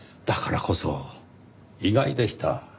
だからこそ意外でした。